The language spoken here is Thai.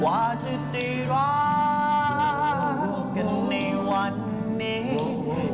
ว่าฉันได้รักกันในวันนี้